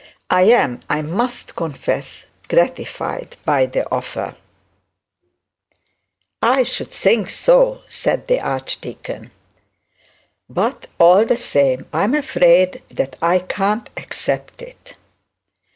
I am, I must confess, gratified by the offer ' 'I should think so,' said the archdeacon. 'But, all the same, I am afraid that I can't accept it.'